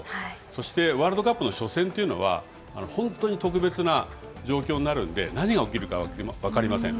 そしてワールドカップの初戦というのは、本当に特別な状況になるんで、何が起きるか分かりません。